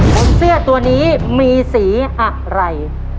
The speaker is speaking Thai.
บนเสื้อตัวนี้มีสีอะไร